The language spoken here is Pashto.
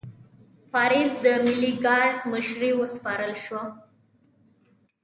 پاریس د ملي ګارډ مشري وسپارل شوه.